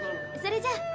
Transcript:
それじゃ。